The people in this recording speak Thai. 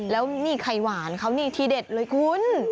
แล้วนี่ไข่หวานเขานี่ทีเด็ดเลยคุณ